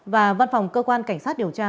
và văn phòng cơ quan cảnh sát điều tra